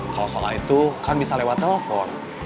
kalau soal itu kan bisa lewat telepon